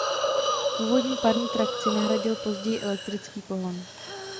Původní parní trakci nahradil později elektrický pohon.